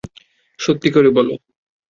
সত্যি করে বল?